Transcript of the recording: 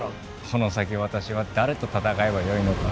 この先私は誰と戦えばよいのか。